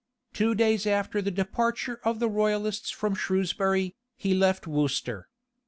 [*] Two days after the departure of the royalists from Shrewsbury, he left Worcester.